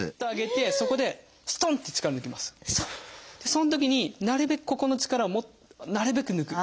そのときになるべくここの力をなるべく抜く。